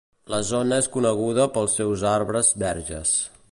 La zona és coneguda pels seus arbres verges.